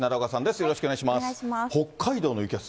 よろしくお願いします。